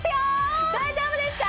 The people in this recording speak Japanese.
大丈夫ですか？